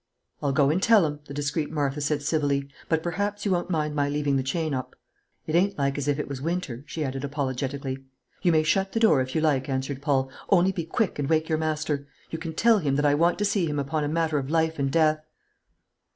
"I'll go and tell 'em," the discreet Martha said civilly; "but perhaps you won't mind my leaving the chain oop. It ain't like as if it was winter," she added apologetically. "You may shut the door, if you like," answered Paul; "only be quick and wake your master. You can tell him that I want to see him upon a matter of life and death."